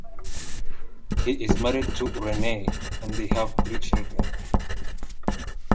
He is married to Renee and they have three children.